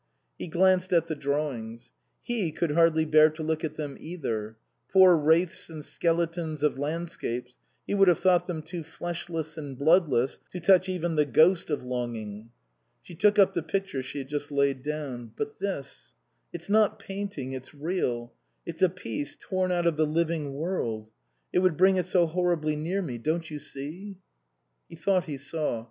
He glanced at the drawings. He could hardly bear to look at them either. Poor wraiths and skeletons of landscapes, he would have thought them too fleshless and bloodless to touch even the ghost of longing. She took up the picture she had just laid down. " But this it's not painting, it's real ; it's a piece torn out of the living world. It would bring it so horribly near me don't you see ?" He thought he saw.